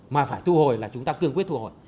mà phải thu hồi là chúng ta cương quyết thu hồi